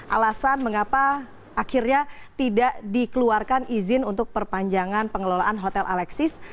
alasan mengapa akhirnya tidak dikeluarkan izin untuk perpanjangan pengelolaan hotel alexis